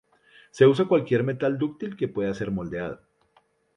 Se usa cualquier metal dúctil que pueda ser moldeado.